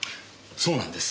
そうなんです。